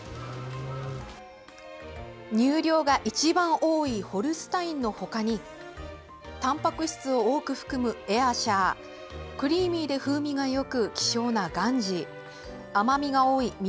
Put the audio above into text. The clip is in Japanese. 乳量が一番多いホルスタインのほかにたんぱく質を多く含むエアシャークリーミーで風味がよく希少なガンジー甘みが多い